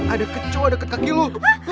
ada kecoh deket kaki lo